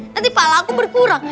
nanti pahala aku berkurang